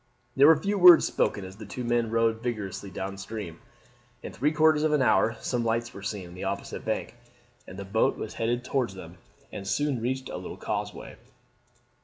There were few words spoken as the two men rowed vigorously down stream. In three quarters of an hour some lights were seen on the opposite bank, and the boat was headed towards them and soon reached a little causeway.